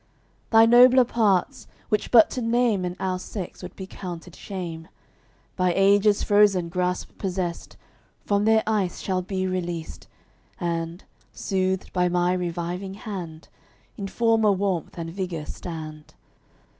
Thy nobler parts, which but to name In our sex would be counted shame, By ages frozen grasp possest, From their ice shall be released, And, soothed by my reviving hand, In former warmth and vigour stand.